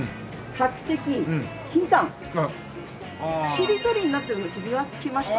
しりとりになってるの気がつきました？